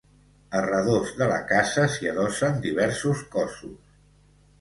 A redós de la casa s'hi adossen diversos cossos.